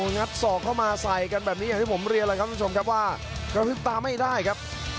งัดศอกเข้ามาใส่กันแบบนี้อย่างที่ผมเรียนแล้วครับคุณผู้ชมครับว่ากระพริบตาไม่ได้ครับ